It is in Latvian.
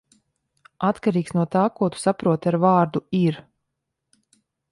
Atkarīgs no tā, ko tu saproti ar vārdu "ir".